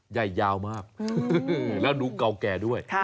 ใหญ่ยาวมากแล้วหนูเก่าแก่ด้วย